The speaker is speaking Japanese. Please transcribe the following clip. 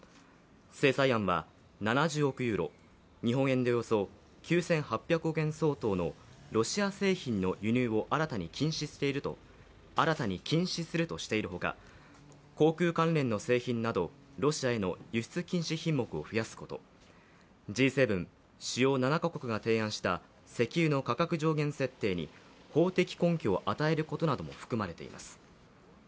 制裁案は７０億ユーロ、日本円でおよそ９８００億円相当のロシア製品の輸入を新たに禁止するとしているほか航空関連の製品などロシアへの輸出禁止品目を増やすことＧ７＝主要７か国が提案した石油の価格上限設定に法的根拠を与えることなども含まれています。